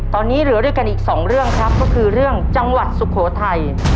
ตอนนี้เหลือด้วยกันอีกสองเรื่องครับก็คือเรื่องจังหวัดสุโขทัย